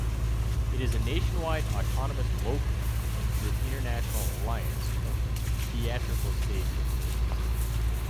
It is a nationwide autonomous Local of the International Alliance of Theatrical Stage Employees.